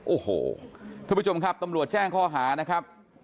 โอ้โหท่านผู้ชมครับตำรวจแจ้งข้อหานะครับ